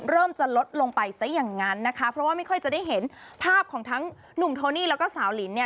เริ่มจะลดลงไปซะอย่างนั้นนะคะเพราะว่าไม่ค่อยจะได้เห็นภาพของทั้งหนุ่มโทนี่แล้วก็สาวลินเนี่ย